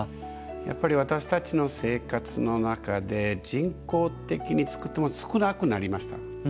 やっぱり私たちの生活の中で人工的に作ったものは少なくなりました。